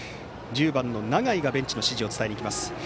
１０番の永井がベンチの指示を伝えます。